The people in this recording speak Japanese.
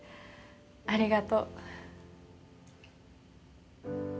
ありがとう。